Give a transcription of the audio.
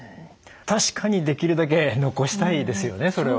確かにできるだけ残したいですよねそれは。